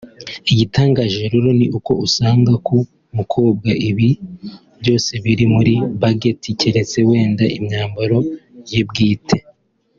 Igitangaje rero ni uko usanga ku mukobwa ibi byose biri muri budget keretse wenda imyambaro ye bwite